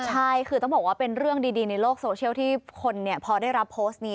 ใช่คือต้องบอกว่าเป็นเรื่องดีในโลกโซเชียลที่คนพอได้รับโพสต์นี้